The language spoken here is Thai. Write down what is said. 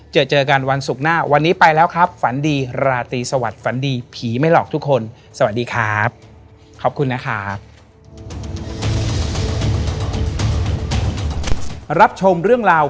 เจอกันวันศุกร์หน้า